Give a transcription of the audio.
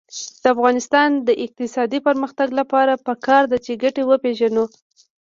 د افغانستان د اقتصادي پرمختګ لپاره پکار ده چې ګټې وپېژنو.